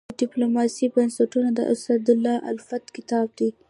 د ډيپلوماسي بنسټونه د اسدالله الفت کتاب دی.